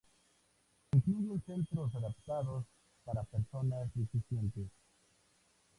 Incluyen centros adaptados para personas deficientes.